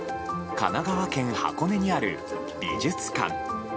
神奈川県箱根にある美術館。